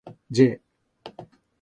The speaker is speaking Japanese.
jjjjjjjjjjjjjjjjj